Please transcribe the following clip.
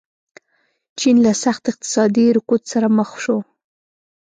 چین له سخت اقتصادي رکود سره مخ شو.